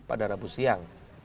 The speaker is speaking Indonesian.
pada rabu siang